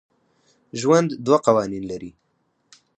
ژوند دوه قوانین لري.